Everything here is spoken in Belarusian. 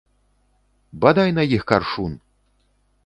Бадай на іх каршун!